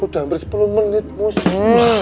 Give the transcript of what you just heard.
udah hampir sepuluh menit musuh